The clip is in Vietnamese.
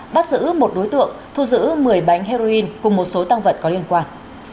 bắt giữ một đối tượng thu giữ một mươi bánh heroin cùng một số tăng vật có liên quan